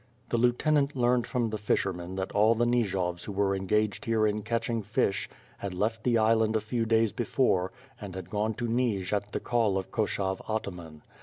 The lieutenant ^'^arned from the fishermen that all the Nijovs who were engaged here in catching fish had left the island a few days before and had gone to Nij at the call of Koshov Ataman.